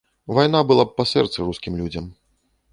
Вайна была б па сэрцы рускім людзям.